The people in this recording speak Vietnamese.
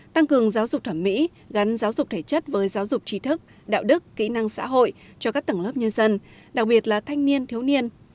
tăng cường giáo dục thẩm mỹ gắn giáo dục thể chất với giáo dục trí thức đạo đức kỹ năng xã hội cho các tầng lớp nhân dân đặc biệt là thanh niên thiếu niên